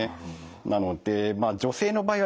なので女性の場合はですね